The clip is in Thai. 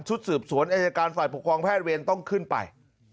สืบสวนอายการฝ่ายปกครองแพทย์เวรต้องขึ้นไป